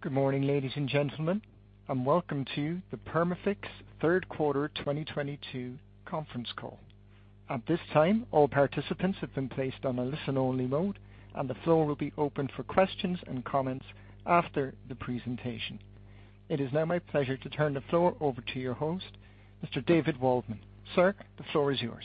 Good morning, ladies and gentlemen, and welcome to the Perma-Fix Q3 2022 conference call. At this time, all participants have been placed on a listen-only mode, and the floor will be opened for questions and comments after the presentation. It is now my pleasure to turn the floor over to your host, Mr. David Waldman. Sir, the floor is yours.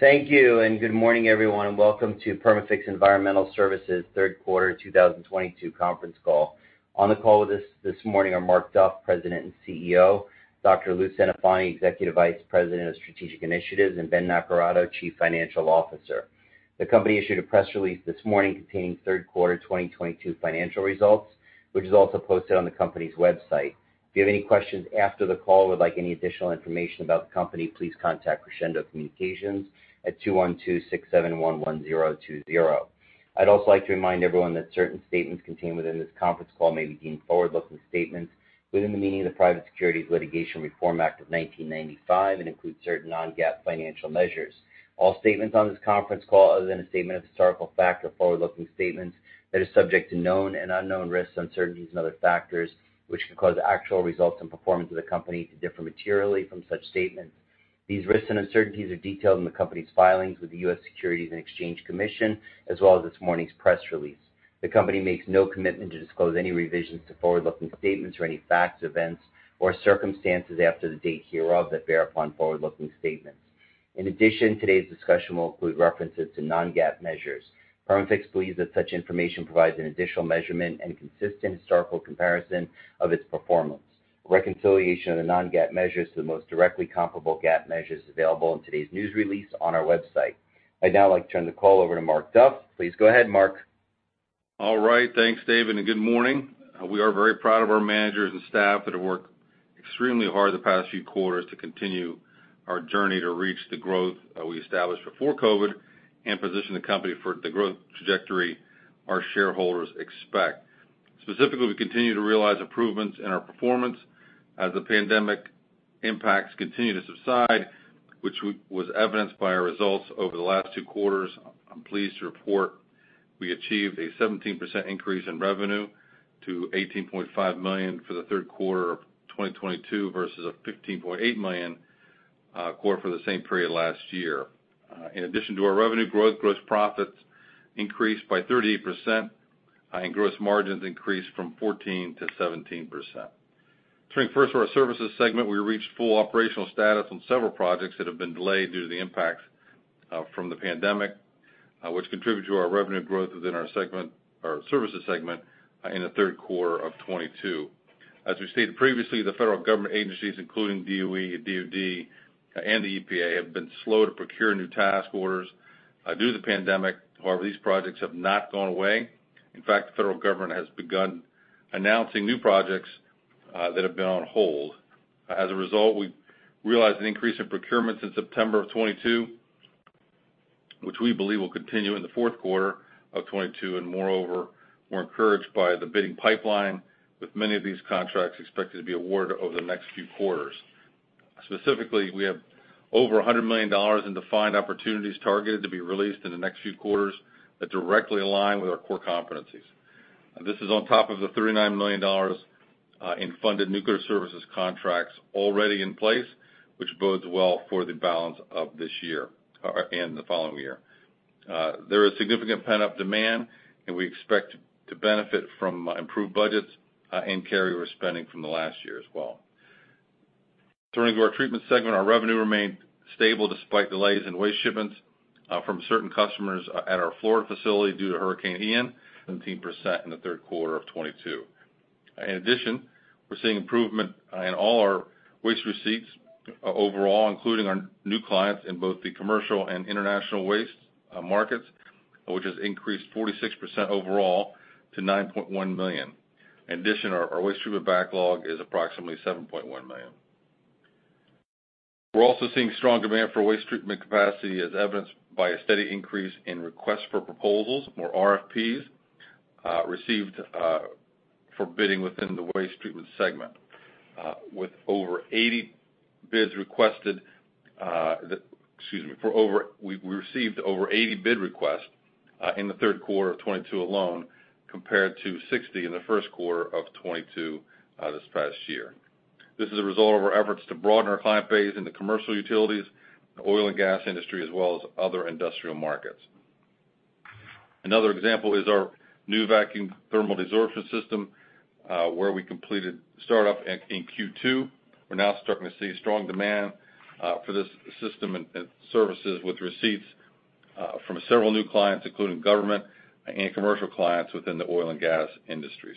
Thank you, and good morning, everyone, and welcome to Perma-Fix Environmental Services Q3 2022 conference call. On the call with us this morning are Mark Duff, President and CEO, Dr. Lou Centofanti, Executive Vice President of Strategic Initiatives, and Ben Naccarato, Chief Financial Officer. The company issued a press release this morning containing Q3 2022 financial results, which is also posted on the company's website. If you have any questions after the call or would like any additional information about the company, please contact Crescendo Communications at 212-671-1020. I'd also like to remind everyone that certain statements contained within this conference call may be deemed forward-looking statements within the meaning of the Private Securities Litigation Reform Act of 1995 and include certain non-GAAP financial measures. All statements on this conference call, other than a statement of historical fact, are forward-looking statements that are subject to known and unknown risks, uncertainties and other factors which could cause actual results and performance of the company to differ materially from such statements. These risks and uncertainties are detailed in the company's filings with the U.S. Securities and Exchange Commission, as well as this morning's press release. The company makes no commitment to disclose any revisions to forward-looking statements or any facts, events, or circumstances after the date hereof that bear upon forward-looking statements. In addition, today's discussion will include references to non-GAAP measures. Perma-Fix believes that such information provides an additional measurement and consistent historical comparison of its performance. Reconciliation of the non-GAAP measures to the most directly comparable GAAP measures is available in today's news release on our website. I'd now like to turn the call over to Mark Duff. Please go ahead, Mark. All right. Thanks, David, and good morning. We are very proud of our managers and staff that have worked extremely hard the past few quarters to continue our journey to reach the growth that we established before COVID and position the company for the growth trajectory our shareholders expect. Specifically, we continue to realize improvements in our performance as the pandemic impacts continue to subside, which was evidenced by our results over the last 2 quarters. I'm pleased to report we achieved a 17% increase in revenue to $18.5 million for the Q3 of 2022 versus a $15.8 million quarter for the same period last year. In addition to our revenue growth, gross profits increased by 38%, and gross margins increased from 14% to 17%. Turning first to our services segment, we reached full operational status on several projects that have been delayed due to the impacts from the pandemic, which contributed to our revenue growth within our services segment in the Q3 of 2022. As we stated previously, the federal government agencies, including DOE, DOD, and the EPA, have been slow to procure new task orders due to the pandemic. However, these projects have not gone away. In fact, the federal government has begun announcing new projects that have been on hold. As a result, we realized an increase in procurements in September of 2022, which we believe will continue in the Q4 of 2022. Moreover, we're encouraged by the bidding pipeline, with many of these contracts expected to be awarded over the next few quarters. Specifically, we have over $100 million in defined opportunities targeted to be released in the next few quarters that directly align with our core competencies. This is on top of the $39 million in funded nuclear services contracts already in place, which bodes well for the balance of this year, and the following year. There is significant pent-up demand, and we expect to benefit from improved budgets, and carryover spending from the last year as well. Turning to our treatment segment, our revenue remained stable despite delays in waste shipments from certain customers at our Florida facility due to Hurricane Ian, 17% in the Q3 of 2022. In addition, we're seeing improvement in all our waste receipts overall, including our new clients in both the commercial and international waste markets, which has increased 46% overall to $9.1 million. In addition, our waste treatment backlog is approximately $7.1 million. We're also seeing strong demand for waste treatment capacity as evidenced by a steady increase in requests for proposals, more RFPs received for bidding within the waste treatment segment. We received over 80 bid requests in the Q3 of 2022 alone, compared to 60 in the Q1 of 2022 this past year. This is a result of our efforts to broaden our client base into commercial utilities, the oil and gas industry, as well as other industrial markets. Another example is our new vacuum thermal desorption system, where we completed startup in Q2. We're now starting to see strong demand for this system and services with receipts from several new clients, including government and commercial clients within the oil and gas industries.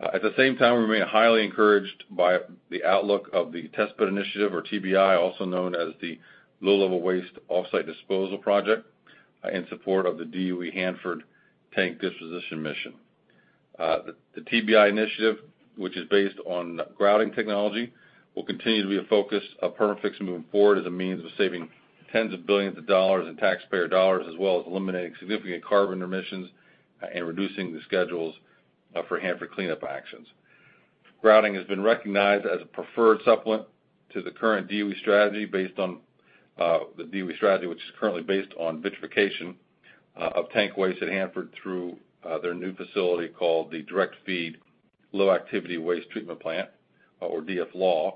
At the same time, we remain highly encouraged by the outlook of the Test Bed Initiative, or TBI, also known as the Low-Level Waste Off-site Disposal Project, in support of the DOE Hanford Tank Disposition Mission. The TBI initiative, which is based on grouting technology, will continue to be a focus of Perma-Fix moving forward as a means of saving tens of billions of dollars in taxpayer dollars, as well as eliminating significant carbon emissions and reducing the schedules for Hanford cleanup actions. Grouting has been recognized as a preferred supplement to the current DOE strategy based on the DOE strategy, which is currently based on vitrification of tank waste at Hanford through their new facility called the Direct-Feed Low-Activity Waste Treatment Plant, or DFLAW,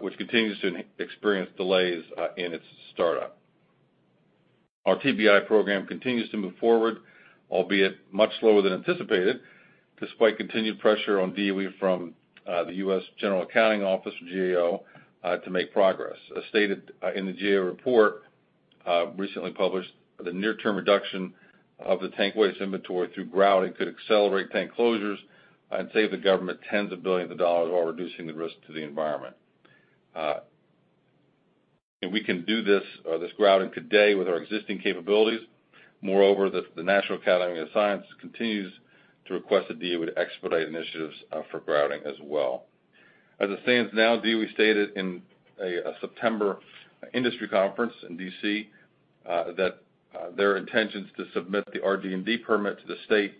which continues to experience delays in its startup. Our TBI program continues to move forward, albeit much slower than anticipated, despite continued pressure on DOE from the U.S. Government Accountability Office, GAO, to make progress. As stated, in the GAO report, recently published, the near-term reduction of the tank waste inventory through grouting could accelerate tank closures and save the government tens of billions of dollars while reducing the risk to the environment. We can do this grouting today with our existing capabilities. Moreover, the National Academy of Sciences continues to request that DOE would expedite initiatives for grouting as well. As it stands now, DOE stated in a September industry conference in D.C., that their intentions to submit the RD&D permit to the state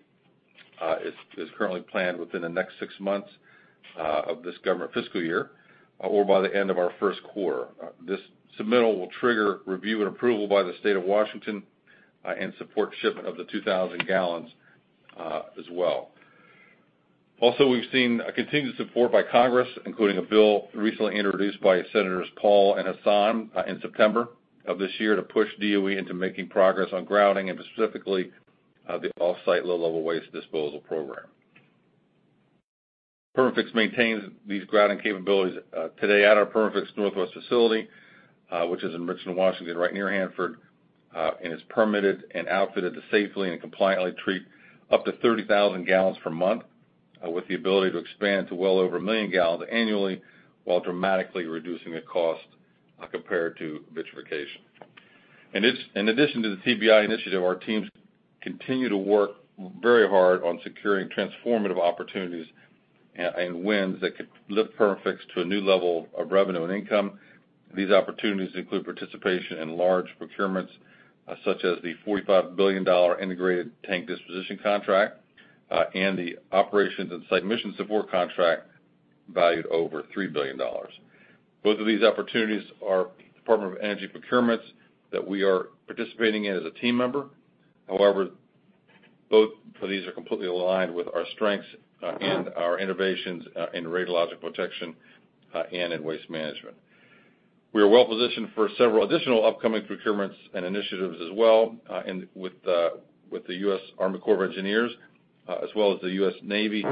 is currently planned within the next 6 months of this government FY or by the end of our Q1. This submittal will trigger review and approval by the State of Washington, and support shipment of the 2,000 gallons, as well. Also, we've seen continued support by Congress, including a bill recently introduced by Senators Paul and Hassan in September of this year to push DOE into making progress on grouting and specifically the off-site low-level waste disposal program. Perma-Fix maintains these grouting capabilities today at our Perma-Fix Northwest facility, which is in Richland, Washington, right near Hanford, and is permitted and outfitted to safely and compliantly treat up to 30,000 gallons per month, with the ability to expand to well over 1 million gallons annually while dramatically reducing the cost compared to vitrification. In addition to the TBI initiative, our teams continue to work very hard on securing transformative opportunities and wins that could lift Perma-Fix to a new level of revenue and income. These opportunities include participation in large procurements such as the $45 billion Integrated Tank Disposition Contract, and the Operations and Site Mission Support Contract valued over $3 billion. Both of these opportunities are Department of Energy procurements that we are participating in as a team member. However, both of these are completely aligned with our strengths, and our innovations, in radiological protection, and in waste management. We are well positioned for several additional upcoming procurements and initiatives as well, with the U.S. Army Corps of Engineers, as well as the U.S. Navy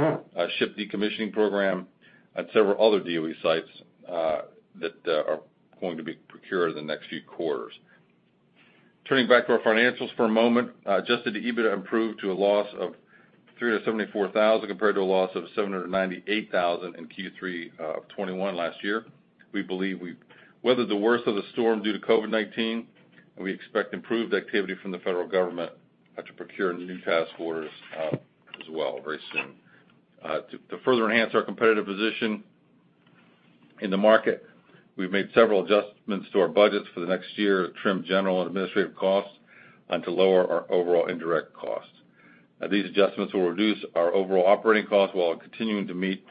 ship decommissioning program and several other DOE sites, that are going to be procured in the next few quarters. Turning back to our financials for a moment. Adjusted EBITDA improved to a loss of $374,000 compared to a loss of $798,000 in Q3 of 2021 last year. We believe we've weathered the worst of the storm due to COVID-19, and we expect improved activity from the federal government to procure new task orders as well very soon. To further enhance our competitive position in the market, we've made several adjustments to our budgets for the next year to trim general and administrative costs and to lower our overall indirect costs. These adjustments will reduce our overall operating costs while continuing to meet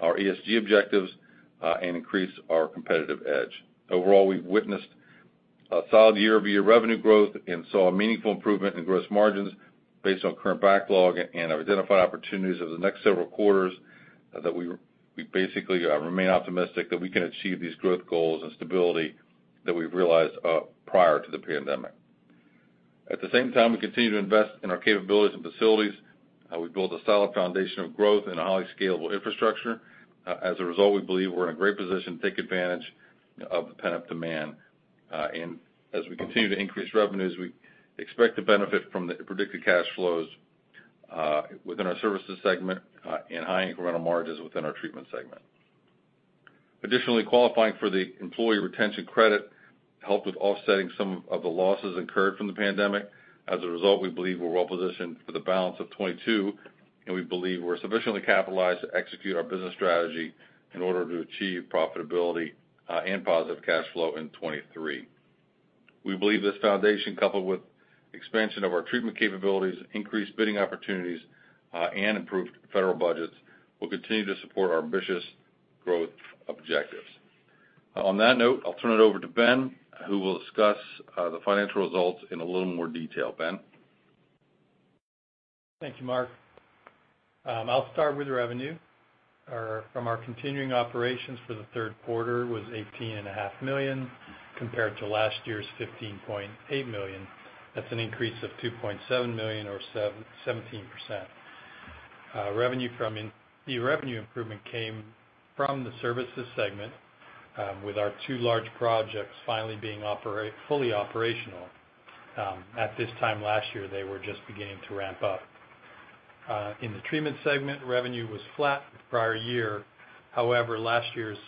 our ESG objectives and increase our competitive edge. Overall, we've witnessed a solid year-over-year revenue growth and saw a meaningful improvement in gross margins based on current backlog and have identified opportunities over the next several quarters that we basically remain optimistic that we can achieve these growth goals and stability that we've realized prior to the pandemic. At the same time, we continue to invest in our capabilities and facilities, we build a solid foundation of growth and a highly scalable infrastructure. As a result, we believe we're in a great position to take advantage of the pent-up demand, and as we continue to increase revenues, we expect to benefit from the predicted cash flows within our services segment and high incremental margins within our treatment segment. Additionally, qualifying for the Employee Retention Credit helped with offsetting some of the losses incurred from the pandemic. As a result, we believe we're well positioned for the balance of 2022, and we believe we're sufficiently capitalized to execute our business strategy in order to achieve profitability, and positive cash flow in 2023. We believe this foundation, coupled with expansion of our treatment capabilities, increased bidding opportunities, and improved federal budgets, will continue to support our ambitious growth objectives. On that note, I'll turn it over to Ben, who will discuss the financial results in a little more detail. Ben? Thank you, Mark. I'll start with revenue. Our continuing operations for the Q3 was $18.5 million compared to last year's $15.8 million. That's an increase of $2.7 million or 17%. The revenue improvement came from the services segment, with our 2 large projects finally being fully operational. At this time last year, they were just beginning to ramp up. In the treatment segment, revenue was flat with prior year. However, last year's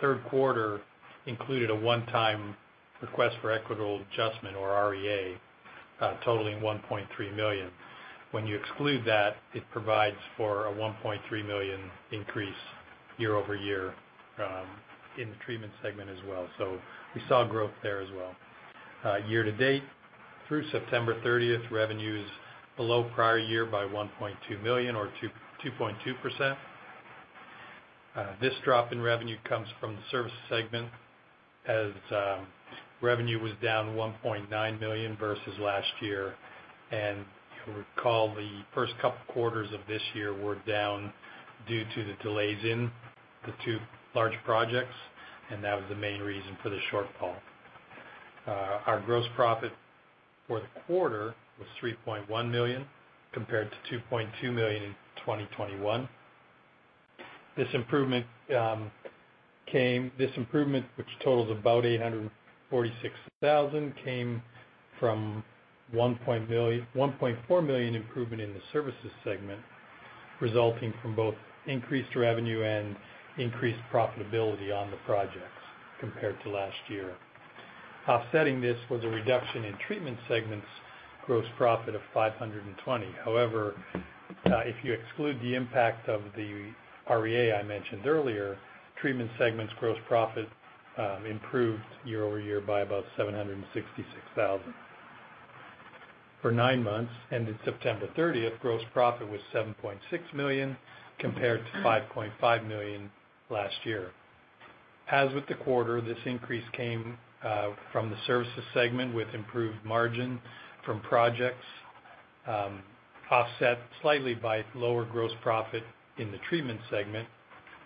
Q3 included a one-time request for equitable adjustment or REA, totaling $1.3 million. When you exclude that, it provides for a $1.3 million increase year-over-year, in the treatment segment as well. We saw growth there as well. Year to date through September 30, revenue is below prior year by $1.2 million or 2.2%. This drop in revenue comes from the service segment, revenue was down $1.9 million versus last year. If you recall, the first couple quarters of this year were down due to the delays in the 2 large projects, and that was the main reason for the shortfall. Our gross profit for the quarter was $3.1 million, compared to $2.2 million in 2021. This improvement, which totals about $846,000, came from $1.4 million improvement in the services segment, resulting from both increased revenue and increased profitability on the projects compared to last year. Offsetting this was a reduction in treatment segment's gross profit of $520. However, if you exclude the impact of the REA I mentioned earlier, treatment segment's gross profit improved year-over-year by about $766 thousand. For 9 months ended September 30, gross profit was $7.6 million compared to $5.5 million last year. As with the quarter, this increase came from the services segment with improved margin from projects, offset slightly by lower gross profit in the treatment segment,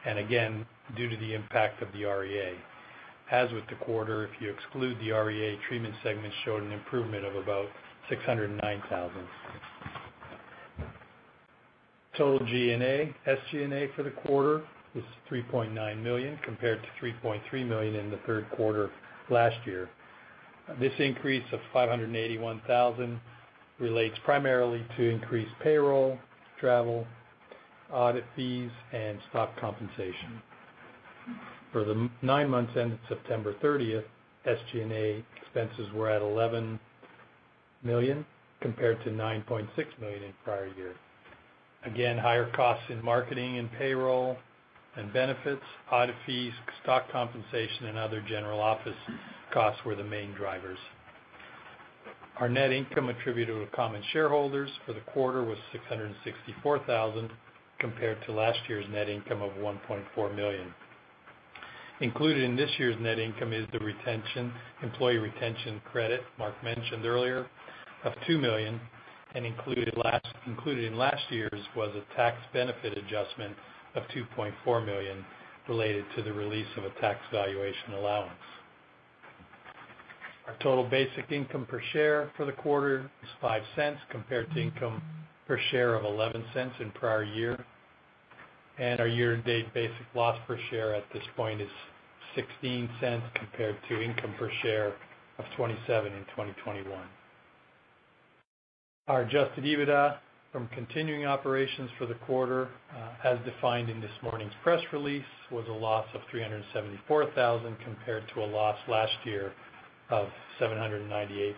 and again, due to the impact of the REA. As with the quarter, if you exclude the REA, treatment segment showed an improvement of about $609 thousand. Total SG&A for the quarter was $3.9 million, compared to $3.3 million in the Q3 of last year. This increase of $581,000 relates primarily to increased payroll, travel, audit fees, and stock compensation. For the 9 months ended September 30th, SG&A expenses were $11 million compared to $9.6 million in prior year. Again, higher costs in marketing and payroll and benefits, audit fees, stock compensation, and other general office costs were the main drivers. Our net income attributable to common shareholders for the quarter was $664,000, compared to last year's net income of $1.4 million. Included in this year's net income is the Employee Retention Credit Mark mentioned earlier of $2 million, and included in last year's was a tax benefit adjustment of $2.4 million related to the release of a tax valuation allowance. Our total basic income per share for the quarter was $0.05 compared to income per share of $0.11 in prior year. Our year-to-date basic loss per share at this point is $0.16 compared to income per share of $0.27 in 2021. Our adjusted EBITDA from continuing operations for the quarter, as defined in this morning's press release, was a loss of $374,000 compared to a loss last year of $798,000.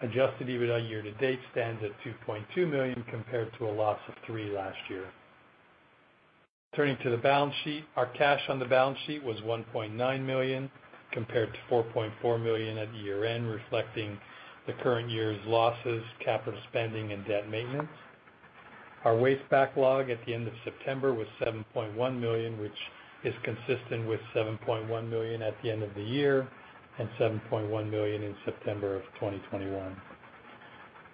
Adjusted EBITDA year to date stands at $2.2 million compared to a loss of $3 million last year. Turning to the balance sheet, our cash on the balance sheet was $1.9 million compared to $4.4 million at year-end, reflecting the current year's losses, capital spending, and debt maintenance. Our waste backlog at the end of September was $7.1 million, which is consistent with $7.1 million at the end of the year and $7.1 million in September of 2021.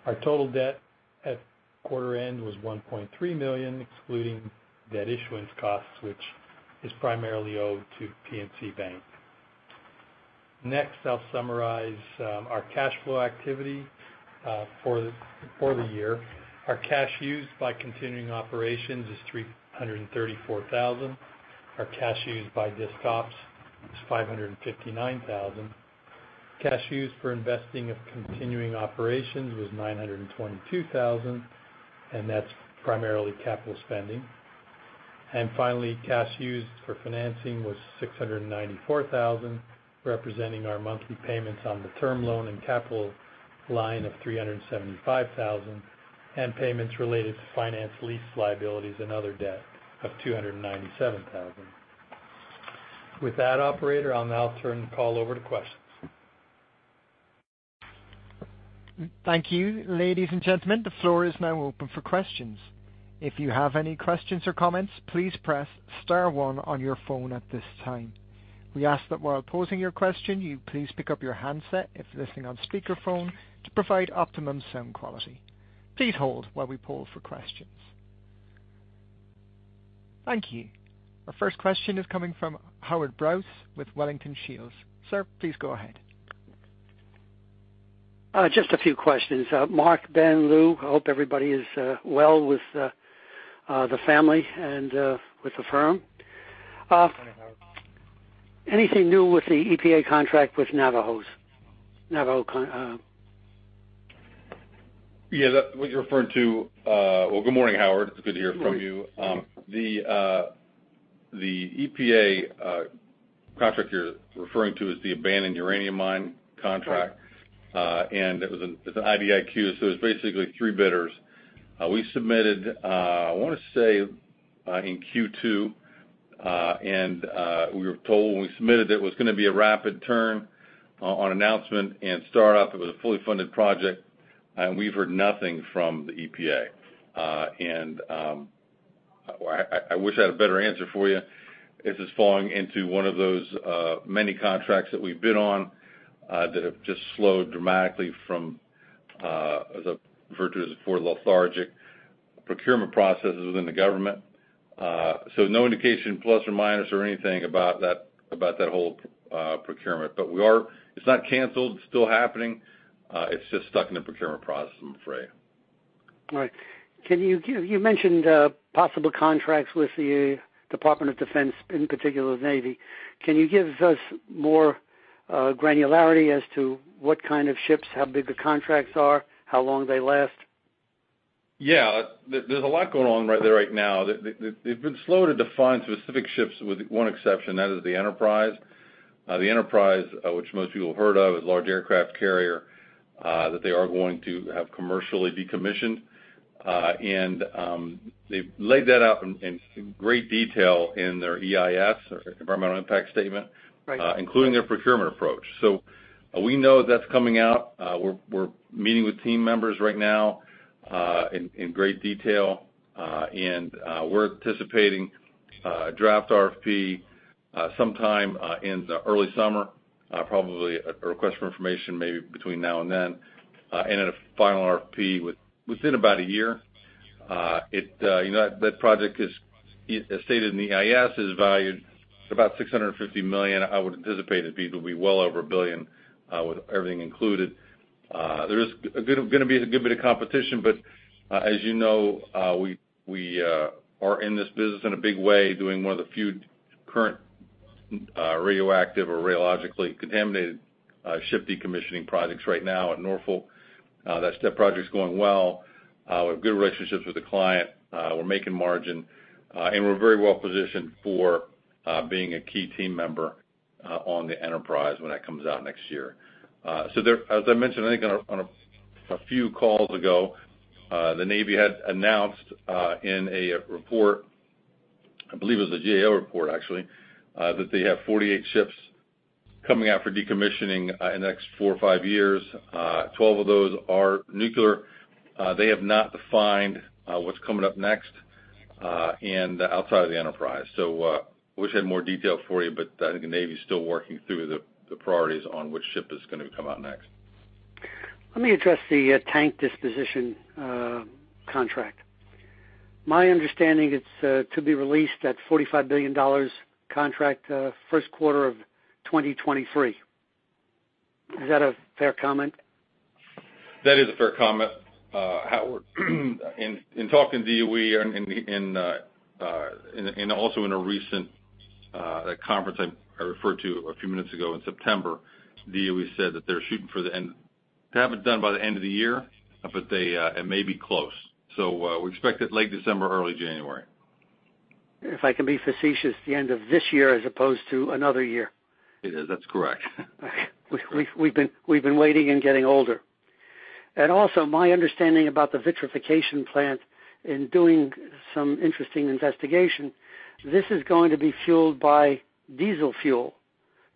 Our total debt at quarter end was $1.3 million, excluding debt issuance costs, which is primarily owed to PNC Bank. Next, I'll summarize our cash flow activity for the year. Our cash used by continuing operations is $334 thousand. Our cash used by discontinued operations is $559 thousand. Cash used for investing of continuing operations was $922 thousand, and that's primarily capital spending. Finally, cash used for financing was $694 thousand, representing our monthly payments on the term loan and capital line of $375 thousand and payments related to finance lease liabilities and other debt of $297 thousand. With that, operator, I'll now turn the call over to questions. Thank you. Ladies and gentlemen, the floor is now open for questions. If you have any questions or comments, please press star one on your phone at this time. We ask that while posing your question, you please pick up your handset if listening on speakerphone to provide optimum sound quality. Please hold while we poll for questions. Thank you. Our first question is coming from Howard Brous with Wellington Shields. Sir, please go ahead. Just a few questions. Mark, Ben, Lou, I hope everybody is well with the family and with the firm. Hi, Howard. Anything new with the EPA contract with Navajo Nation? Yeah, what you're referring to. Well, good morning, Howard Brous. It's good to hear from you. The EPA contract you're referring to is the abandoned uranium mine contract. It's an IDIQ, so it's basically 3 bidders. We submitted, I wanna say, in Q2, and we were told when we submitted it was gonna be a rapid turnaround on announcement and startup. It was a fully funded project, and we've heard nothing from the EPA. Well, I wish I had a better answer for you. This is falling into one of those many contracts that we've bid on that have just slowed dramatically as a result of lethargic procurement processes within the government. No indication plus or minus or anything about that whole procurement. It's not canceled. It's still happening. It's just stuck in the procurement process, I'm afraid. All right. You mentioned possible contracts with the Department of Defense, in particular the Navy. Can you give us more granularity as to what kind of ships, how big the contracts are, how long they last? Yeah. There's a lot going on right there right now. They've been slow to define specific ships with one exception, that is the Enterprise. The Enterprise, which most people have heard of, is a large aircraft carrier, that they are going to have commercially decommissioned. They've laid that out in great detail in their EIS, or Environmental Impact Statement. Right. Including their procurement approach. We know that's coming out. We're meeting with team members right now in great detail. We're anticipating a draft RFP sometime in the early summer, probably a request for information maybe between now and then, and a final RFP within about a year. You know, that project, as stated in the EIS, is valued at about $650 million. I would anticipate it'd be well over $1 billion with everything included. There is gonna be a good bit of competition, but as you know, we are in this business in a big way, doing one of the few current radioactive or radiologically contaminated ship decommissioning projects right now at Norfolk. That ship project's going well. We have good relationships with the client. We're making margin, and we're very well positioned for being a key team member on the Enterprise when that comes out next year. As I mentioned, I think on a few calls ago, the Navy had announced in a report, I believe it was a GAO report actually, that they have 48 ships coming out for decommissioning in the next 4 or 5 years. 12 of those are nuclear. They have not defined what's coming up next and outside of the Enterprise. Wish I had more detail for you, but I think the Navy's still working through the priorities on which ship is gonna come out next. Let me address the tank disposition contract. My understanding it's to be released at $45 billion contract Q1 of 2023. Is that a fair comment? That is a fair comment, Howard. In talking to DOE and also in a recent conference I referred to a few minutes ago in September, DOE said that they're shooting for the end to have it done by the end of the year, but it may be close. We expect it late December, early January. If I can be facetious, the end of this year as opposed to another year. It is. That's correct. We've been waiting and getting older. Also my understanding about the vitrification plant in doing some interesting investigation, this is going to be fueled by diesel fuel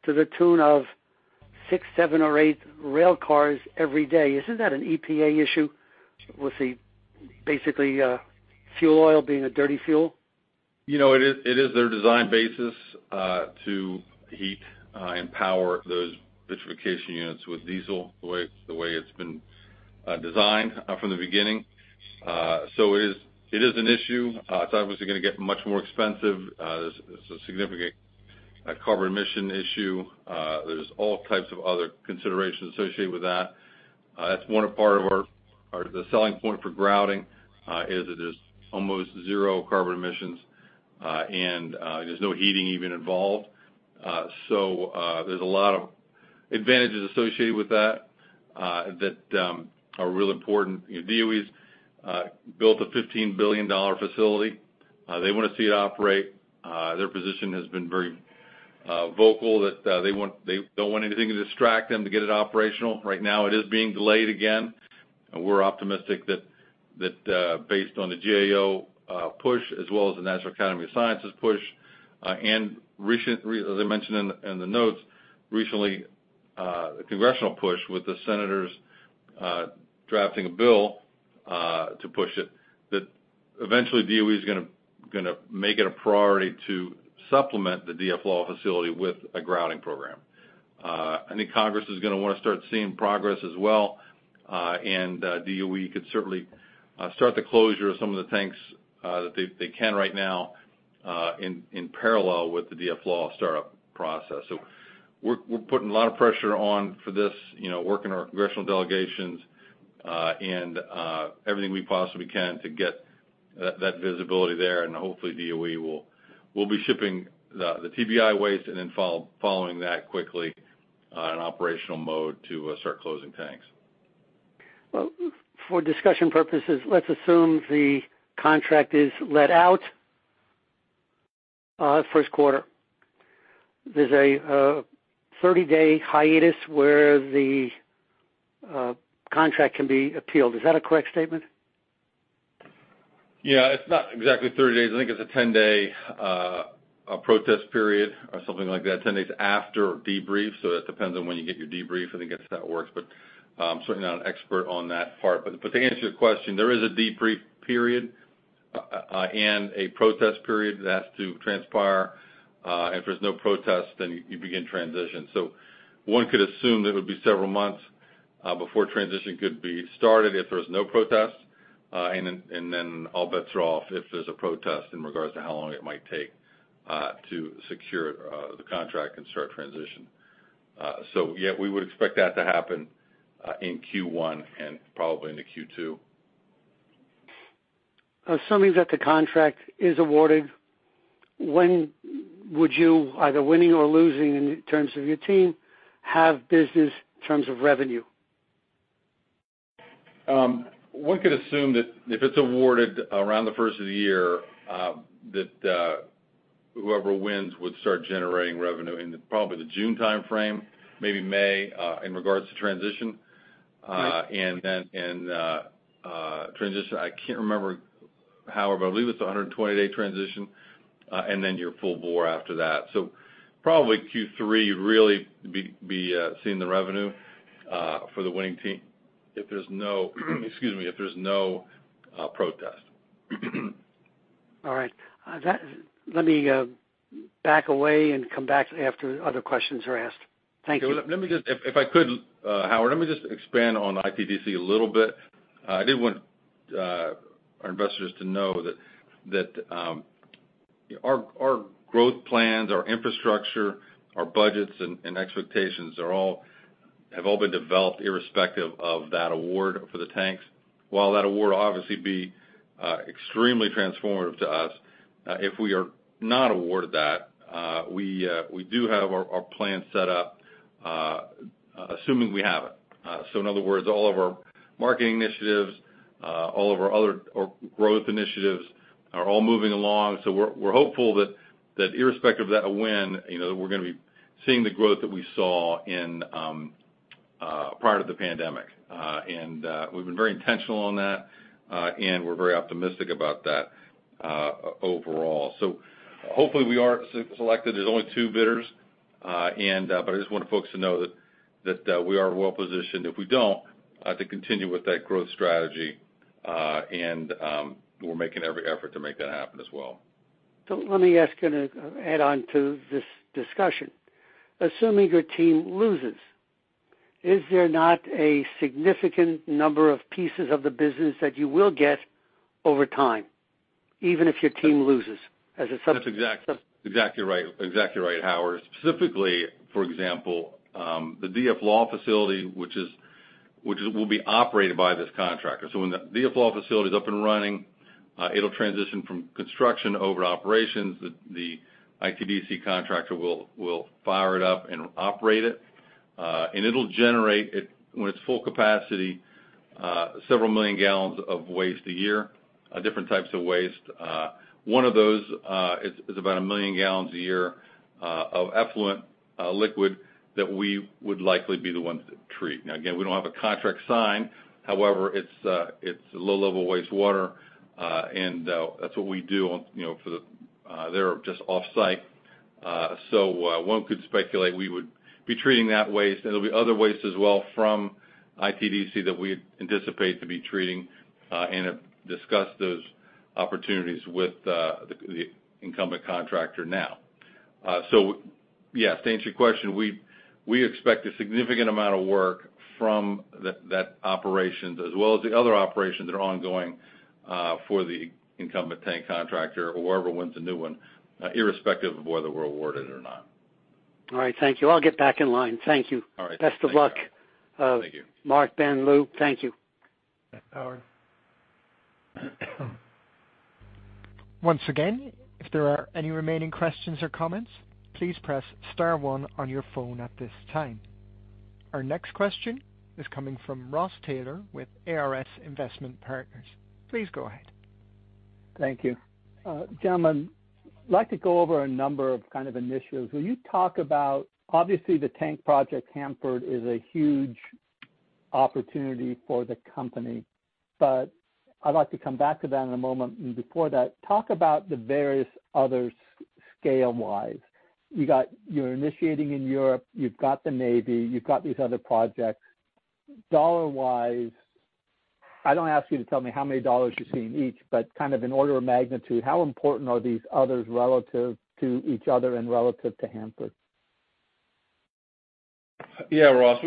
to the tune of 6, 7, or 8 rail cars every day. Isn't that an EPA issue with the basically fuel oil being a dirty fuel? You know, it is their design basis to heat and power those vitrification units with diesel, the way it's been designed from the beginning. It is an issue. It's obviously gonna get much more expensive. There's a significant carbon emission issue. There's all types of other considerations associated with that. That's one part of our selling point for grouting is that there's almost zero carbon emissions, and there's no heating even involved. There's a lot of advantages associated with that that are really important. You know, DOE's built a $15 billion facility. They wanna see it operate. Their position has been very vocal that they don't want anything to distract them to get it operational. Right now it is being delayed again. We're optimistic that based on the GAO push, as well as the National Academy of Sciences push, and recently, as I mentioned in the notes, congressional push with the senators drafting a bill to push it, that eventually DOE is gonna make it a priority to supplement the DF-LAW facility with a grouting program. I think Congress is gonna wanna start seeing progress as well, and DOE could certainly start the closure of some of the tanks that they can right now, in parallel with the DF-LAW startup process. We're putting a lot of pressure on for this, you know, working our congressional delegations, and everything we possibly can to get that visibility there. Hopefully DOE will be shipping the TBI waste and then following that quickly in operational mode to start closing tanks. Well, for discussion purposes, let's assume the contract is let out Q1. There's a 30-day hiatus where the contract can be appealed. Is that a correct statement? Yeah. It's not exactly 30 days. I think it's a 10-day protest period or something like that, 10 days after debrief. That depends on when you get your debrief. I think that's how it works. But certainly not an expert on that part. But to answer your question, there is a debrief period and a protest period that has to transpire. If there's no protest, then you begin transition. One could assume that it would be several months before transition could be started if there's no protest. And then all bets are off if there's a protest in regards to how long it might take to secure the contract and start transition. Yeah, we would expect that to happen in Q1 and probably into Q2. Assuming that the contract is awarded, when would you, either winning or losing in terms of your team, have business in terms of revenue? One could assume that if it's awarded around the first of the year, that whoever wins would start generating revenue in probably the June timeframe, maybe May, in regards to transition. Then in transition, I can't remember, however, I believe it's a 120-day transition, and then you're full bore after that. Probably Q3 really be seeing the revenue for the winning team if there's no protest. All right. Let me back away and come back after other questions are asked. Thank you. If I could, Howard, let me just expand on ITDC a little bit. I did want our investors to know that our growth plans, our infrastructure, our budgets and expectations have all been developed irrespective of that award for the tanks. While that award obviously be extremely transformative to us, if we are not awarded that, we do have our plan set up, assuming we haven't. In other words, all of our marketing initiatives, all of our other growth initiatives are all moving along. We're hopeful that irrespective of that win, you know, we're gonna be seeing the growth that we saw in prior to the pandemic. We've been very intentional on that, and we're very optimistic about that overall. Hopefully we are selected. There's only 2 bidders, but I just wanted folks to know that we are well-positioned if we don't to continue with that growth strategy. We're making every effort to make that happen as well. Let me ask you to add on to this discussion. Assuming your team loses, is there not a significant number of pieces of the business that you will get over time, even if your team loses as a sub- That's exactly right, Howard. Specifically, for example, the DF-LAW facility, which will be operated by this contractor. When the DF-LAW facility is up and running, it'll transition from construction over to operations. The ITDC contractor will fire it up and operate it. And it'll generate when it's full capacity, several million gallons of waste a year, different types of waste. One of those is about 1 million gallons a year of effluent liquid that we would likely be the ones to treat. Now, again, we don't have a contract signed. However, it's a low-level wastewater, and that's what we do, you know, for the their just off-site. One could speculate we would be treating that waste. There'll be other waste as well from ITDC that we anticipate to be treating, and have discussed those opportunities with the incumbent contractor now. Yes, to answer your question, we expect a significant amount of work from that operations as well as the other operations that are ongoing for the incumbent tank contractor or whoever wins the new one, irrespective of whether we're awarded or not. All right. Thank you. I'll get back in line. Thank you. All right. Best of luck. Thank you. Mark, Ben, Lou, thank you. Thanks, Howard. Once again, if there are any remaining questions or comments, please press star one on your phone at this time. Our next question is coming from Ross Taylor with ARS Investment Partners. Please go ahead. Thank you. Gentlemen, I'd like to go over a number of kind of initiatives. When you talk about, obviously, the tank project Hanford is a huge opportunity for the company, but I'd like to come back to that in a moment. Before that, talk about the various others scale-wise. You're initiating in Europe, you've got the Navy, you've got these other projects. Dollar-wise, I don't ask you to tell me how many dollars you see in each, but kind of in order of magnitude, how important are these others relative to each other and relative to Hanford? Yeah, Ross,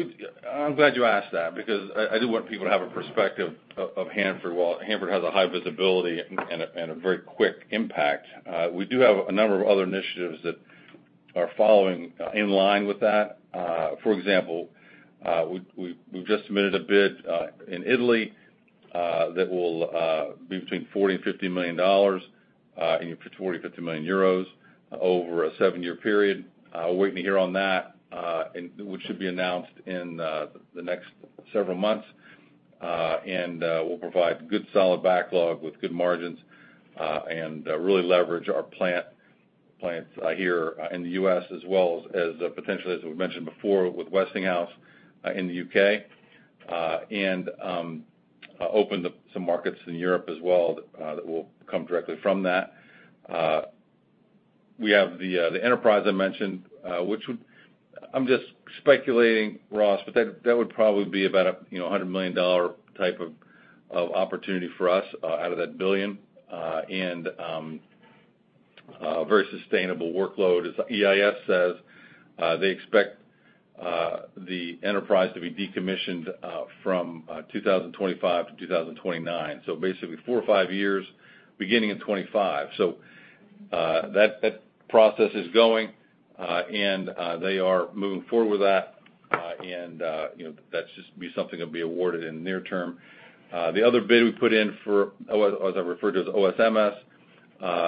I'm glad you asked that because I do want people to have a perspective of Hanford. While Hanford has a high visibility and a very quick impact, we do have a number of other initiatives that are following in line with that. For example, we've just submitted a bid in Italy that will be between 40 million and EUR 50 million over a 7-year period. Waiting to hear on that, and which should be announced in the next several months. We'll provide good solid backlog with good margins, and really leverage our plants here in the U.S. as well as potentially, as we've mentioned before, with Westinghouse in the U.K. Open some markets in Europe as well, that will come directly from that. We have the Enterprise I mentioned, which would. I'm just speculating, Ross, but that would probably be about a, you know, $100 million type of opportunity for us out of that $1 billion. Very sustainable workload. As EIS says, they expect the Enterprise to be decommissioned from 2025 to 2029. Basically 4 or 5 years beginning in 2025. That process is going, and they are moving forward with that. You know, that's just something that'll be awarded in the near term. The other bid we put in for, or as I referred to as OSMS,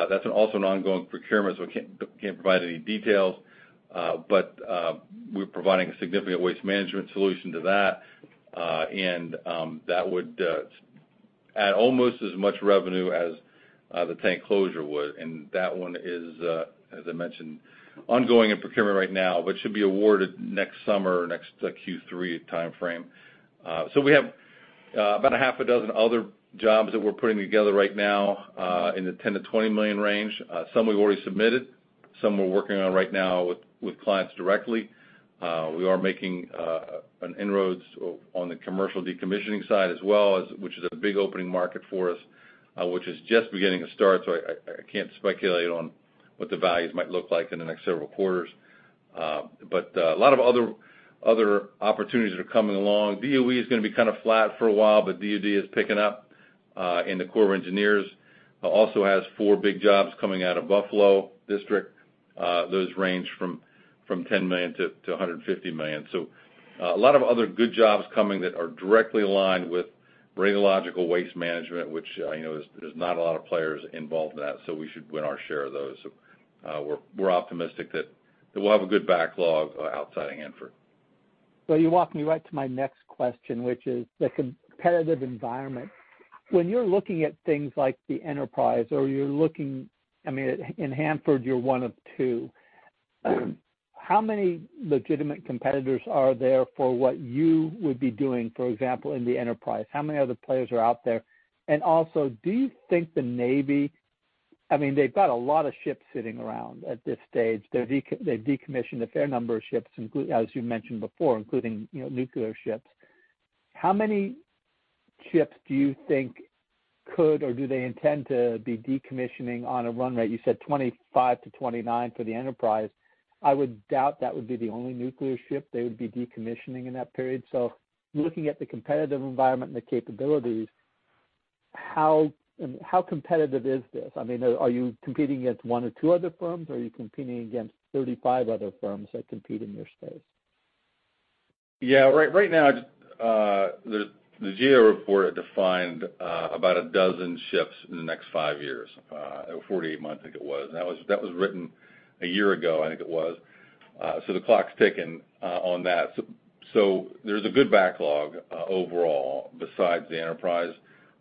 that's also an ongoing procurement, so we can't provide any details. We're providing a significant waste management solution to that. That would add almost as much revenue as the tank closure would. That one is, as I mentioned, ongoing in procurement right now, but should be awarded next summer, Q3 timeframe. We have about a half a dozen other jobs that we're putting together right now, in the $10 million-$20 million range. Some we've already submitted, some we're working on right now with clients directly. We are making inroads on the commercial decommissioning side as well, which is a big opening market for us, which is just beginning to start. I can't speculate on what the values might look like in the next several quarters. A lot of other opportunities that are coming along. DOE is gonna be kind of flat for a while, but DOD is picking up. The Corps of Engineers also has 4 big jobs coming out of Buffalo District. Those range from $10 million to $150 million. A lot of other good jobs coming that are directly aligned with radiological waste management, which I know there's not a lot of players involved in that, so we should win our share of those. We're optimistic that we'll have a good backlog outside of Hanford. You walk me right to my next question, which is the competitive environment. When you're looking at things like the Enterprise, I mean, in Hanford, you're 1 of 2. How many legitimate competitors are there for what you would be doing, for example, in the Enterprise? How many other players are out there? And also, do you think the Navy, I mean, they've got a lot of ships sitting around at this stage. They've decommissioned a fair number of ships, as you mentioned before, including, you know, nuclear ships. How many ships do you think could, or do they intend to be decommissioning on a run rate? You said 25-29 for the Enterprise. I would doubt that would be the only nuclear ship they would be decommissioning in that period. Looking at the competitive environment and the capabilities, how competitive is this? I mean, are you competing against 1 or 2 other firms, or are you competing against 35 other firms that compete in your space? Yeah. Right, right now, the GAO report had defined about a dozen ships in the next 5 years or 48 months, I think it was. That was written a year ago, I think it was. The clock's ticking on that. There's a good backlog overall besides the USS Enterprise.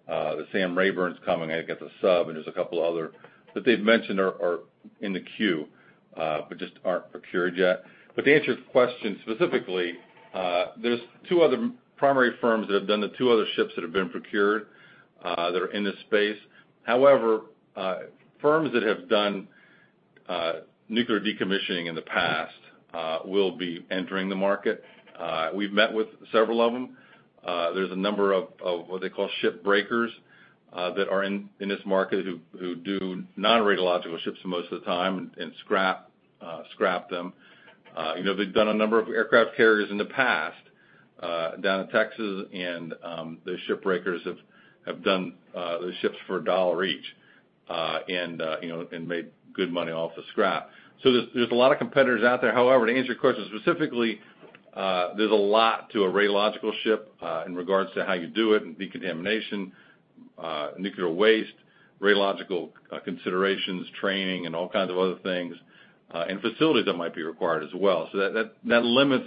The USS Sam Rayburn's coming. I think it's a sub, and there's a couple other that they've mentioned are in the queue, but just aren't procured yet. To answer your question specifically, there's 2 other primary firms that have done the 2 other ships that have been procured that are in this space. However, firms that have done nuclear decommissioning in the past will be entering the market. We've met with several of them. There's a number of what they call ship breakers that are in this market who do non-radiological ships most of the time and scrap them. You know, they've done a number of aircraft carriers in the past down in Texas and the ship breakers have done those ships for $1 each and you know, and made good money off the scrap. There's a lot of competitors out there. However, to answer your question specifically, there's a lot to a radiological ship in regards to how you do it and decontamination, nuclear waste, radiological considerations, training, and all kinds of other things and facilities that might be required as well. That limits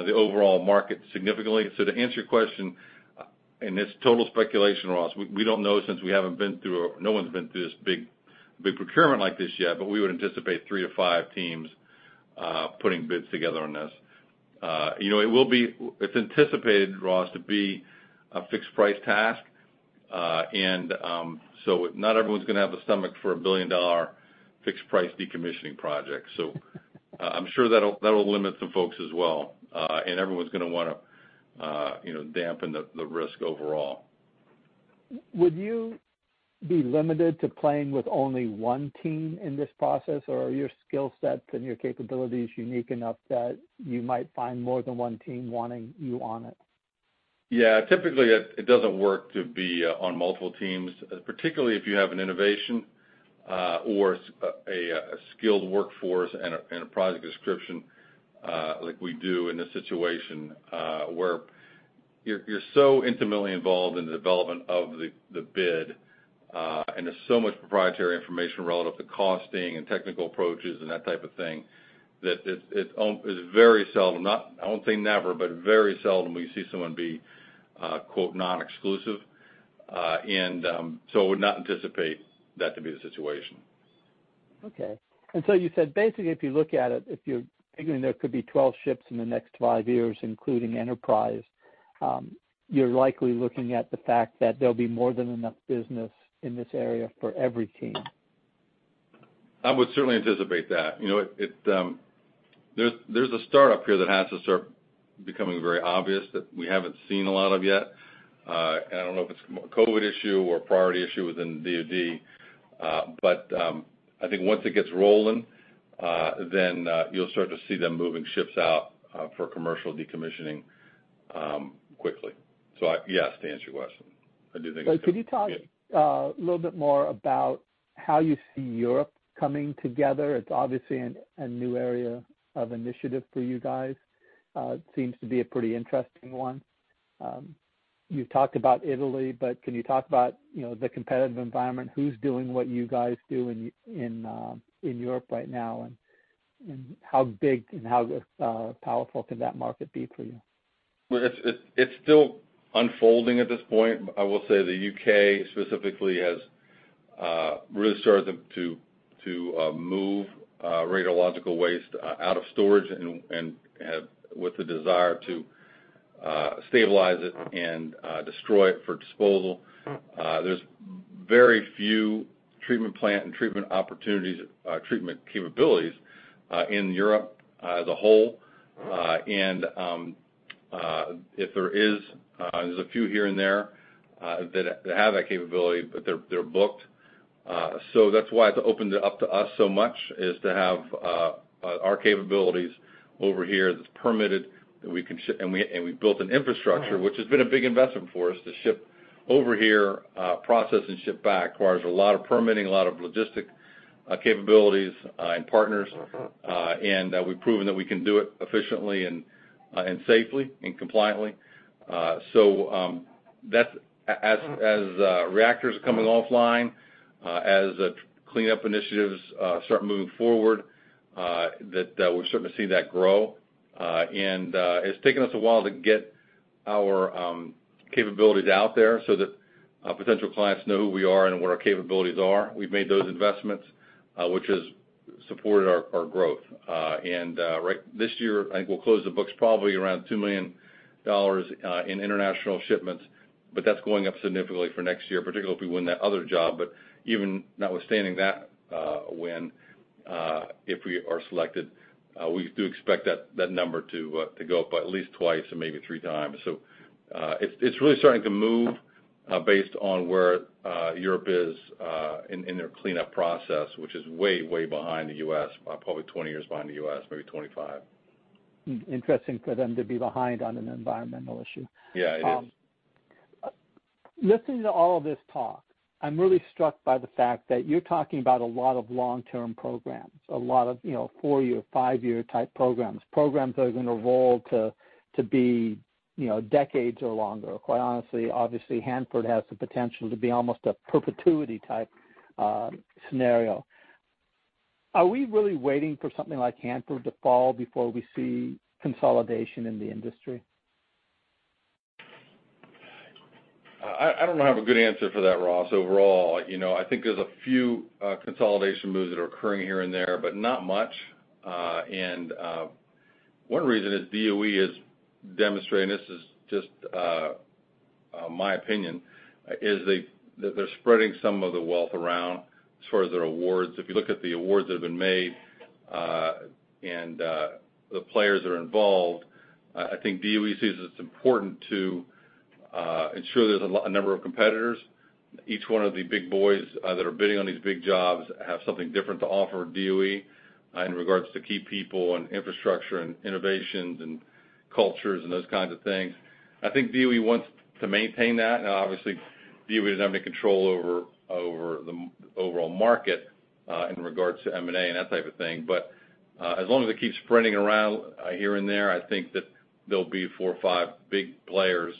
the overall market significantly. To answer your question, and it's total speculation, Ross, we don't know since we haven't been through or no one's been through this big procurement like this yet, but we would anticipate 3-5 teams putting bids together on this. You know, it will be. It's anticipated, Ross, to be a fixed price task. Not everyone's gonna have the stomach for a billion-dollar fixed price decommissioning project. I'm sure that'll limit some folks as well. Everyone's gonna wanna you know, dampen the risk overall. Would you be limited to playing with only one team in this process, or are your skill sets and your capabilities unique enough that you might find more than one team wanting you on it? Typically, it doesn't work to be on multiple teams, particularly if you have an innovation or a skilled workforce and a project description like we do in this situation, where you're so intimately involved in the development of the bid, and there's so much proprietary information relative to costing and technical approaches and that type of thing, that it's very seldom. I won't say never, but very seldom will you see someone be quote, "non-exclusive." I would not anticipate that to be the situation. Okay. You said, basically, if you look at it, if you're figuring there could be 12 ships in the next 5 years, including Enterprise, you're likely looking at the fact that there'll be more than enough business in this area for every team. I would certainly anticipate that. You know, it. There's a startup here that has to start becoming very obvious that we haven't seen a lot of yet. I don't know if it's more a COVID issue or priority issue within DOD. I think once it gets rolling, then you'll start to see them moving ships out for commercial decommissioning quickly. Yes, to answer your question. I do think it's gonna. Yeah. Could you talk a little bit more about how you see Europe coming together? It's obviously a new area of initiative for you guys. It seems to be a pretty interesting one. You've talked about Italy, but can you talk about, you know, the competitive environment? Who's doing what you guys do in Europe right now, and how big and how powerful can that market be for you? Well, it's still unfolding at this point. I will say the U.K. specifically has really started to move radiological waste out of storage and with the desire to stabilize it and destroy it for disposal. There's very few treatment plant and treatment opportunities, treatment capabilities, in Europe, as a whole. If there is, there's a few here and there that have that capability, but they're booked. That's why it's opened it up to us so much, is to have our capabilities over here that's permitted, and we've built an infrastructure, which has been a big investment for us to ship over here, process and ship back. It requires a lot of permitting, a lot of logistics capabilities, and partners. We've proven that we can do it efficiently and safely and compliantly. That's as reactors are coming offline, as the cleanup initiatives start moving forward, that we're starting to see that grow. It's taken us a while to get our capabilities out there so that potential clients know who we are and what our capabilities are. We've made those investments, which has supported our growth. This year, I think we'll close the books probably around $2 million in international shipments, but that's going up significantly for next year, particularly if we win that other job. Even notwithstanding that win, if we are selected, we do expect that number to go up by at least twice and maybe 3x. It's really starting to move based on where Europe is in their cleanup process, which is way behind the U.S., probably 20 years behind the U.S., maybe 25. Interesting for them to be behind on an environmental issue. Yeah, it is. Listening to all of this talk, I'm really struck by the fact that you're talking about a lot of long-term programs, a lot of, you know, 4-year, 5-year type programs that are gonna roll to be, you know, decades or longer. Quite honestly, obviously, Hanford has the potential to be almost a perpetuity type scenario. Are we really waiting for something like Hanford to fall before we see consolidation in the industry? I don't have a good answer for that, Ross. Overall, you know, I think there's a few consolidation moves that are occurring here and there, but not much. One reason is DOE is demonstrating, this is just my opinion, is that they're spreading some of the wealth around as far as their awards. If you look at the awards that have been made, and the players that are involved, I think DOE sees it's important to ensure there's a number of competitors. Each one of the big boys that are bidding on these big jobs have something different to offer DOE in regards to key people and infrastructure and innovations and cultures and those kinds of things. I think DOE wants to maintain that. Now, obviously, DOE doesn't have any control over the overall market in regards to M&A and that type of thing. As long as it keeps spreading around here and there, I think that there'll be 4 or 5 big players,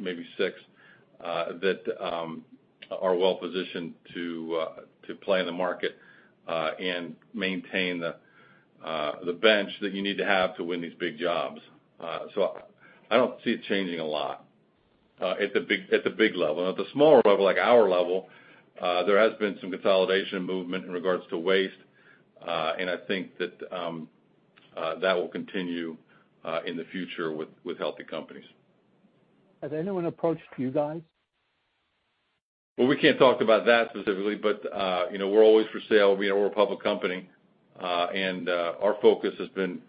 maybe 6, that are well positioned to play in the market and maintain the bench that you need to have to win these big jobs. I don't see it changing a lot at the big level. At the smaller level, like our level, there has been some consolidation movement in regards to waste and I think that that will continue in the future with healthy companies. Has anyone approached you guys? Well, we can't talk about that specifically, but you know, we're always for sale. You know, we're a public company, and our focus has been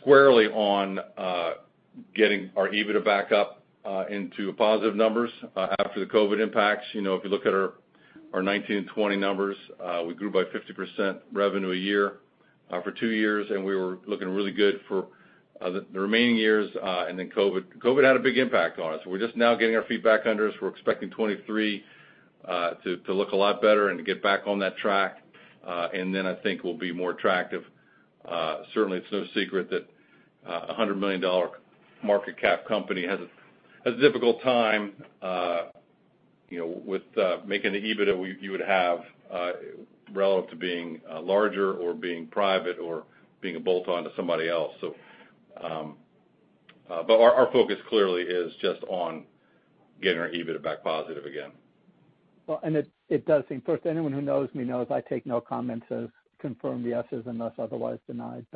squarely on getting our EBITDA back up into positive numbers after the COVID impacts. You know, if you look at our 2019 and 2020 numbers, we grew by 50% revenue a year for 2 years, and we were looking really good for the remaining years, and then COVID. COVID had a big impact on us. We're just now getting our feet back under us. We're expecting 2023 to look a lot better and to get back on that track. And then I think we'll be more attractive. Certainly it's no secret that a $100 million market cap company has a difficult time, you know, with making the EBITDA you would have relative to being larger or being private or being a bolt-on to somebody else. Our focus clearly is just on getting our EBITDA back positive again. Well, it does seem first, anyone who knows me knows I take no comment as confirmed yeses unless otherwise denied.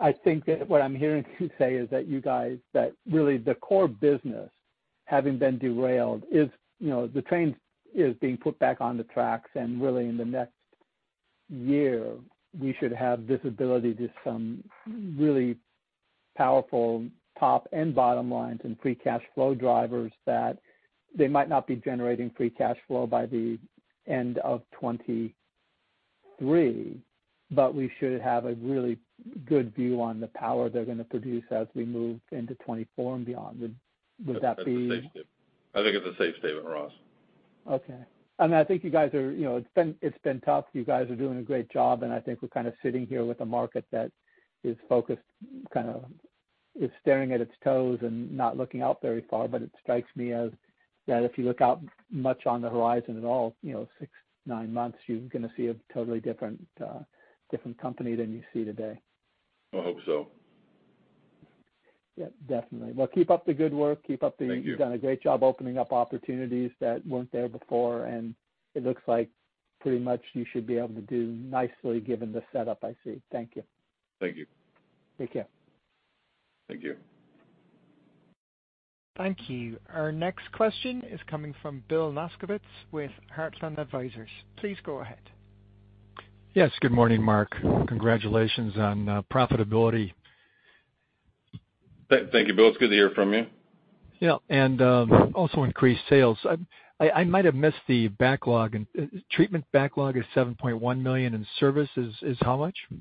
I think that what I'm hearing you say is that you guys, that really the core business having been derailed is, you know, the train is being put back on the tracks, and really in the next year, we should have visibility to some really powerful top and bottom lines and free cash flow drivers that they might not be generating free cash flow by the end of 2023, but we should have a really good view on the power they're gonna produce as we move into 2024 and beyond. Would that be- That's a safe statement. I think it's a safe statement, Ross. Okay. I mean, I think you guys are. You know, it's been tough. You guys are doing a great job, and I think we're kind of sitting here with a market that is focused, kind of is staring at its toes and not looking out very far. It strikes me as that if you look out much on the horizon at all, you know, 6, 9 months, you're gonna see a totally different company than you see today. I hope so. Yeah, definitely. Well, keep up the good work. Thank you. You've done a great job opening up opportunities that weren't there before, and it looks like pretty much you should be able to do nicely given the setup I see. Thank you. Thank you. Take care. Thank you. Thank you. Our next question is coming from Bill Nasgovitz with Heartland Advisors. Please go ahead. Yes, good morning, Mark. Congratulations on profitability. Thank you, Bill. It's good to hear from you. Yeah. Also increased sales. I might have missed the backlog. Treatment backlog is $7.1 million, and service is how much? It is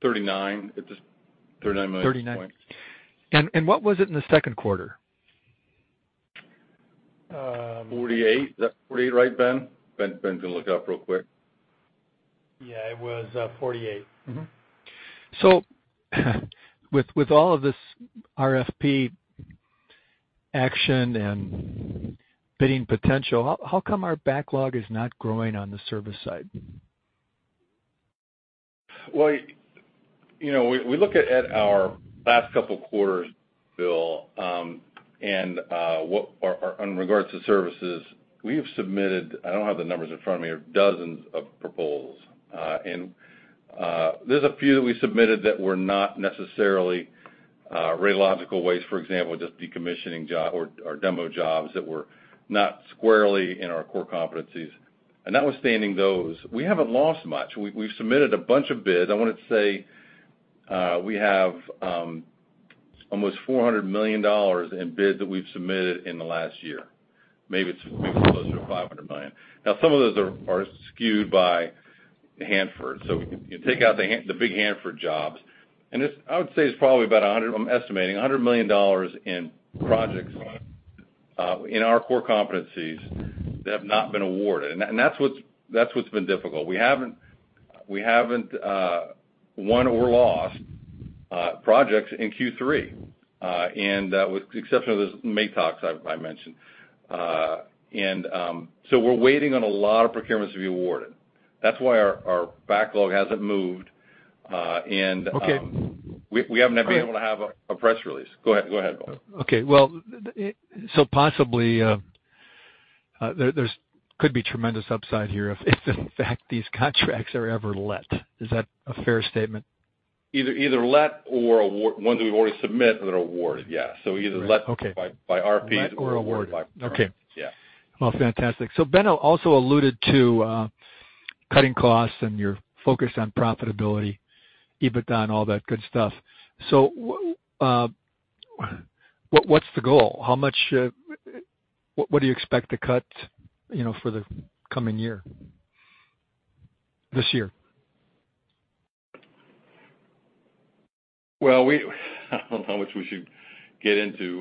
39 point- 39. What was it in the Q2? 48. Is that 48, right, Ben? Ben can look it up real quick. Yeah, it was 48. With all of this RFP action and bidding potential, how come our backlog is not growing on the service side? Well, you know, we look at our last couple quarters, Bill, or in regards to services, we have submitted. I don't have the numbers in front of me, dozens of proposals. There's a few that we submitted that were not necessarily radiological waste, for example, just decommissioning job or demo jobs that were not squarely in our core competencies. Notwithstanding those, we haven't lost much. We've submitted a bunch of bids. I wanna say, we have almost $400 million in bids that we've submitted in the last year. Maybe it's closer to $500 million. Now some of those are skewed by Hanford. You take out the big Hanford jobs, and it's probably about $100 million, I'm estimating, in projects in our core competencies that have not been awarded. That's what's been difficult. We haven't won or lost projects in Q3 with exception of this MATOC I've mentioned. We're waiting on a lot of procurements to be awarded. That's why our backlog hasn't moved. Okay. All right. We haven't been able to have a press release. Go ahead, Bill. Well, possibly there could be tremendous upside here if in fact these contracts are ever let. Is that a fair statement? Either let or award. Ones we've already submitted and are awarded, yes. Either let- Okay. By RFPs or awarded by- Awarded. Okay. Yeah. Well, fantastic. Ben also alluded to cutting costs and your focus on profitability, EBITDA, and all that good stuff. What's the goal? How much, what do you expect to cut, you know, for the coming year, this year? Well, I don't know how much we should get into.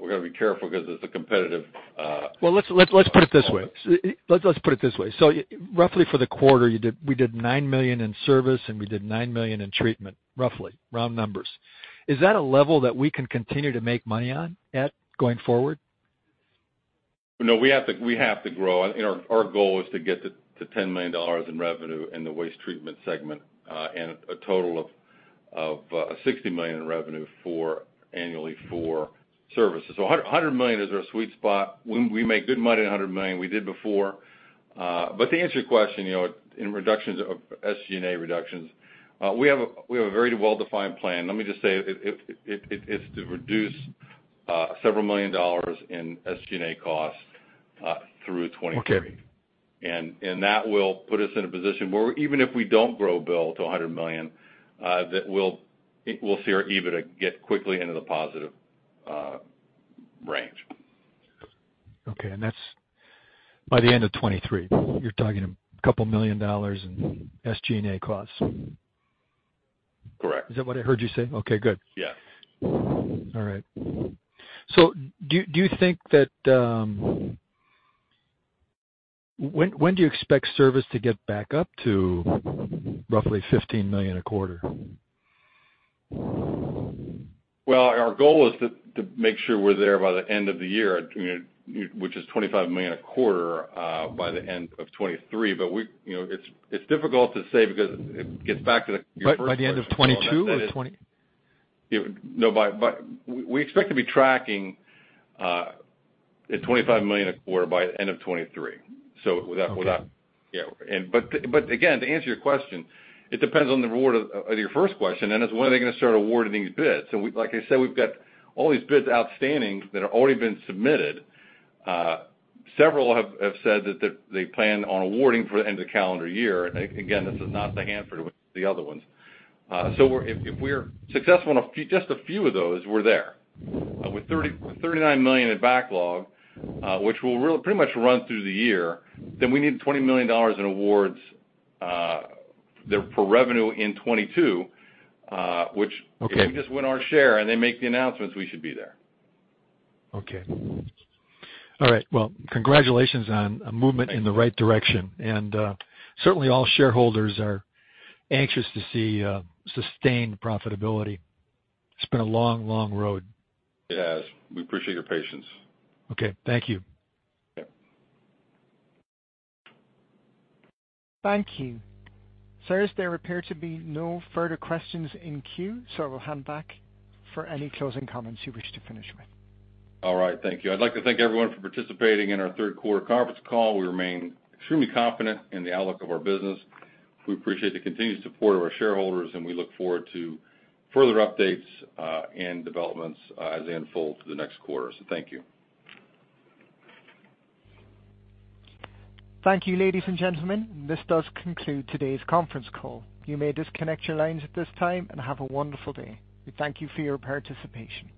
We've got to be careful 'cause it's a competitive, Well, let's put it this way. Roughly for the quarter we did $9 million in services, and we did $9 million in treatment, roughly, round numbers. Is that a level that we can continue to make money on going forward? No, we have to grow. Our goal is to get to $10 million in revenue in the waste treatment segment, and a total of $60 million in revenue annually for services. $100 million is our sweet spot. We make good money at $100 million. We did before. To answer your question, you know, in reductions of SG&A, we have a very well-defined plan. Let me just say it's to reduce $several million in SG&A costs through 2023. Okay. That will put us in a position where even if we don't grow, Bill, to $100 million, that we'll see our EBITDA get quickly into the positive range. Okay. That's by the end of 2023, you're talking a couple million dollars in SG&A costs? Correct. Is that what I heard you say? Okay, good. Yes. All right. Do you think that, when do you expect service to get back up to roughly $15 million a quarter? Well, our goal is to make sure we're there by the end of the year, you know, which is $25 million a quarter by the end of 2023. You know, it's difficult to say because it gets back to your first question. By the end of 2022 or 2020? We expect to be tracking at $25 million a quarter by the end of 2023. Okay. Yeah. To answer your question, it depends in regard to your first question, and it's when are they gonna start awarding these bids? Like I said, we've got all these bids outstanding that have already been submitted. Several have said that they plan on awarding by the end of calendar year. Again, this is not the Hanford, the other ones. If we're successful in a few of those, we're there. With $39 million in backlog, which will pretty much run through the year, then we need $20 million in awards there for revenue in 2022, which- Okay. If we just win our share and they make the announcements, we should be there. Okay. All right. Well, congratulations on a movement in the right direction. Certainly all shareholders are anxious to see sustained profitability. It's been a long, long road. It has. We appreciate your patience. Okay. Thank you. Yeah. Thank you. Sir, as there appear to be no further questions in queue, so I will hand back for any closing comments you wish to finish with. All right. Thank you. I'd like to thank everyone for participating in our Q3 conference call. We remain extremely confident in the outlook of our business. We appreciate the continued support of our shareholders, and we look forward to further updates and developments as they unfold through the next quarter. Thank you. Thank you, ladies and gentlemen. This does conclude today's conference call. You may disconnect your lines at this time, and have a wonderful day. We thank you for your participation.